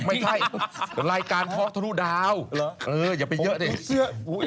ไม่ใช่รายการทอดธุดาวเอออย่าไปเยอะดิ